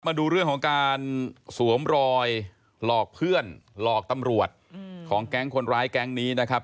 มาดูเรื่องของการสวมรอยหลอกเพื่อนหลอกตำรวจของแก๊งคนร้ายแก๊งนี้นะครับ